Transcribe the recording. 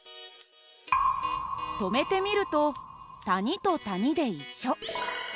止めて見ると谷と谷で一緒。